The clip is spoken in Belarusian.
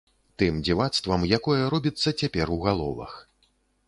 Тым дзівацтвам, якое робіцца цяпер у галовах.